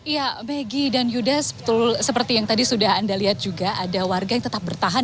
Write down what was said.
ya maggie dan yuda seperti yang tadi sudah anda lihat juga ada warga yang tetap bertahan